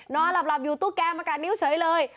นอนหลับอยู่ตุ๊กแกมากัดนิ้วเฉยเลย